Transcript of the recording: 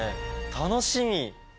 楽しみ！